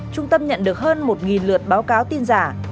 trung tâm nhận được hơn một lượt báo cáo tin giả